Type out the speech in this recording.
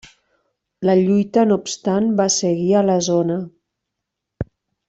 La lluita no obstant va seguir a la zona.